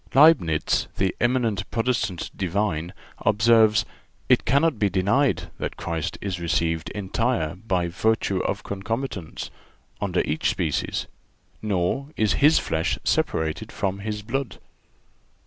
(381) Leibnitz, the eminent Protestant divine, observes: "It cannot be denied that Christ is received entire by virtue of concomitance, under each species; nor is His flesh separated from His blood."